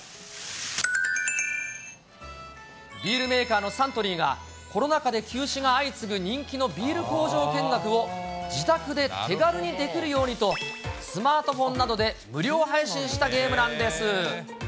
ビールメーカーのサントリーが、コロナ禍で休止が相次ぐ人気のビール工場見学を、自宅で手軽にできるようにと、スマートフォンなどで無料配信したゲームなんです。